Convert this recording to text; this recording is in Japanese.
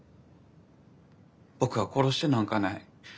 僕は殺してなんかない。